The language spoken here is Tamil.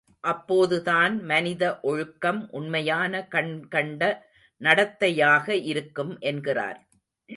அப்போதுதான், மனித ஒழுக்கம் உண்மையான, கண்கண்ட நடத்தையாக இருக்கும் என்கிறார்.